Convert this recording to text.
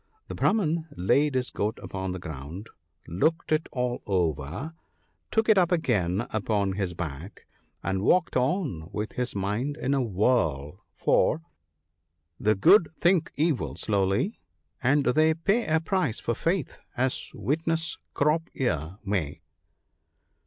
" The Brahman laid his goat upon the ground, looked it all over, took it up again upon his back, and walked on with his mind in a whirl; for —" The good think evil slowly, and they pay A price for faith — as witness ' Crop ear ' may."